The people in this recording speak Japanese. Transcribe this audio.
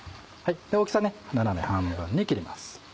大きさ斜め半分に切ります。